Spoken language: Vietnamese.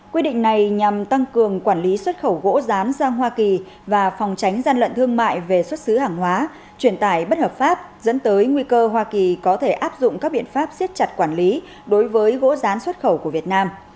quy định này nhằm tăng cường quản lý xuất khẩu gỗ rán sang hoa kỳ và phòng tránh gian lận thương mại về xuất xứ hàng hóa truyền tải bất hợp pháp dẫn tới nguy cơ hoa kỳ có thể áp dụng các biện pháp siết chặt quản lý đối với gỗ rán xuất khẩu của việt nam